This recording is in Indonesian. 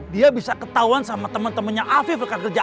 dia bisa ketahuan sama temen temennya afif dekat kerja